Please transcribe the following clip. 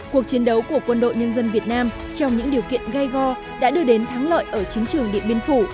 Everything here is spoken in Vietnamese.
cuộc chiến đấu của quân đội nhân dân việt nam trong những điều kiện gai go đã đưa đến thắng lợi ở chiến trường điện biên phủ